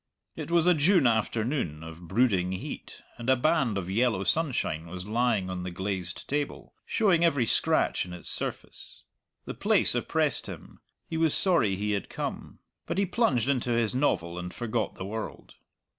It was a June afternoon, of brooding heat, and a band of yellow sunshine was lying on the glazed table, showing every scratch in its surface. The place oppressed him; he was sorry he had come. But he plunged into his novel and forgot the world.